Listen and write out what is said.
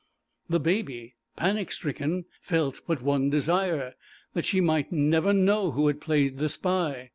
The Baby, panic stricken, felt but one desire, that she might never know who had played the spy.